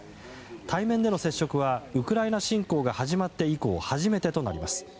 対面での接触はウクライナ侵攻が始まって以降初めてとなります。